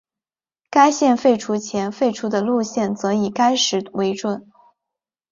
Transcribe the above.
该线废除前废除的路线则以该时为准。